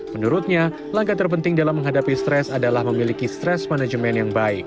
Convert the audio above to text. menurutnya langkah terpenting dalam menghadapi stres adalah memiliki stres management yang baik